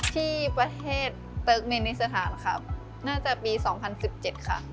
ที่ประเทศเติร์กเมนิสถานค่ะน่าจะปี๒๐๑๗ค่ะ